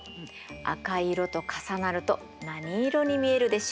赤い色と重なると何色に見えるでしょう？